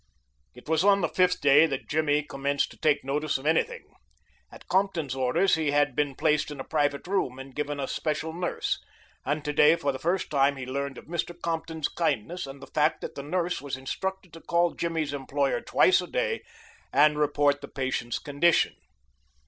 It was on the fifth day that Jimmy commenced to take notice of anything. At Compton's orders he had been placed in a private room and given a special nurse, and to day for the first time he learned of Mr. Compton's kindness and the fact that the nurse was instructed to call Jimmy's employer twice a day and report the patient's condition.